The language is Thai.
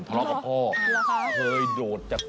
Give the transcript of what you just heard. ธรรมกับพ่อ